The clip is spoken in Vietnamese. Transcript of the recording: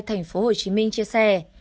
tp hcm chia sẻ